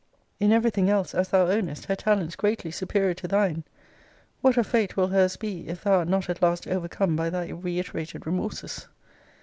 In every thing else, as thou ownest, her talents greatly superior to thine! What a fate will her's be, if thou art not at last overcome by thy reiterated remorses!